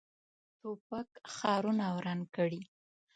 توپک ښارونه وران کړي.